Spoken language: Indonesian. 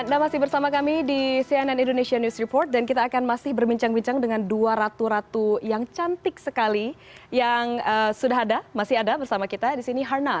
anda masih bersama kami di cnn indonesia news report dan kita akan masih berbincang bincang dengan dua ratu ratu yang cantik sekali yang sudah ada masih ada bersama kita di sini harnal